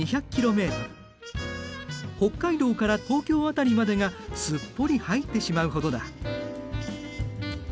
北海道から東京辺りまでがすっぽり入ってしまうほどだ。